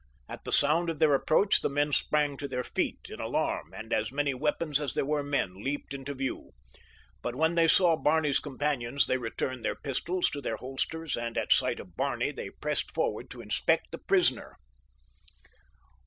At the sound of their approach the men sprang to their feet in alarm, and as many weapons as there were men leaped to view; but when they saw Barney's companions they returned their pistols to their holsters, and at sight of Barney they pressed forward to inspect the prisoner.